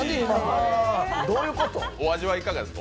お味はいかがですか？